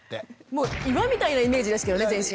もう岩みたいなイメージですけどね全身。